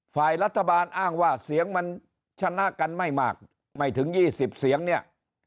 ฝ่ายรัฐบาลอ้างว่าเสียงมันชนะกันไม่มากไม่ถึง๒๐เสียงเนี่ย